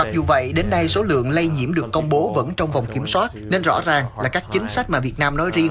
dù vậy đến nay số lượng lây nhiễm được công bố vẫn trong vòng kiểm soát nên rõ ràng là các chính sách mà việt nam nói riêng